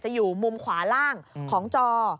อยู่มุมขวาล่างของจอ